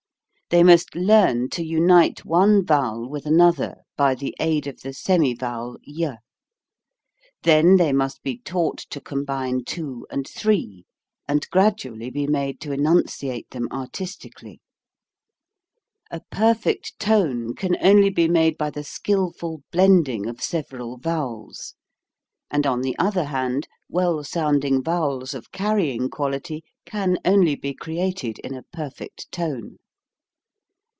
They must learn to unite one vowel with another by the aid of the semi vowel y. Then they must be taught to com bine two and three and gradually be made to enunciate them artistically. A perfect tone can only be made by the skilful blending of several vowels; and on the other hand well sounding vowels of carrying quality can only be created in a perfect tone.